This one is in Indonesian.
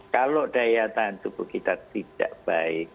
kalau daya tahan tubuh kita tidak baik